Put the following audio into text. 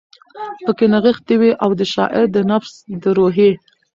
پکښې نغښتی وی، او د شاعر د نفس د روحي